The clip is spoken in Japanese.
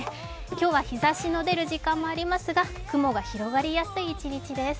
今日は日ざしの出る時間もありますが、雲が広がりやすい一日です。